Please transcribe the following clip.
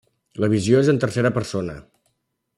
La visió és en tercera persona.